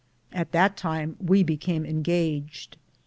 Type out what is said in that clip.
At that time we became engaged.